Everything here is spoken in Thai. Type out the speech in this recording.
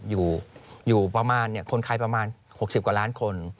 อยู่ประมาณคนไทยประมาณ๖๐กว่าล้านคน